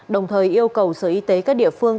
đồng thời yêu cầu sở y tế các địa phương